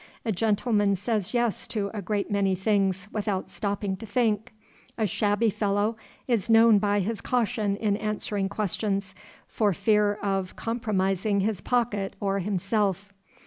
A gentleman says yes to a great many things without stopping to think: a shabby fellow is known by his caution in answering questions, for fear of, compromising his pocket or himself.